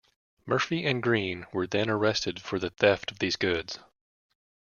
Murphy and Green were then arrested for the theft of these goods.